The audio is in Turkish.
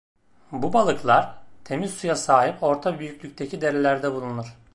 Bu balıklar, temiz suya sahip orta büyüklükteki derelerde bulunur.